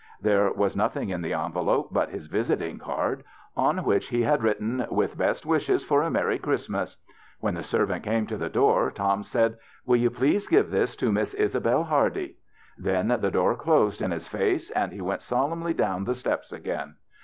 There was nothing in the envelope but his visiting card, on which he had written, " with best wishes for a merry Christmas." When the servant came to the door Tom said, " Y/ill you please give this to Miss Isabelle Hardy." Then the door closed in his face and he went solemnly down the steps again.